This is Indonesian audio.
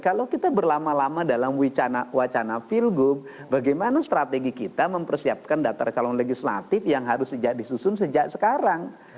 kalau kita berlama lama dalam wacana pilgub bagaimana strategi kita mempersiapkan data calon legislatif yang harus disusun sejak sekarang